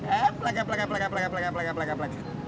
eh pelagat pelagat pelagat pelagat pelagat pelagat pelagat